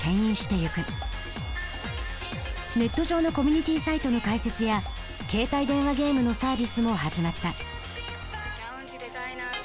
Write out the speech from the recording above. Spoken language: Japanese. ネット上のコミュニティーサイトの開設や携帯電話ゲームのサービスも始まった。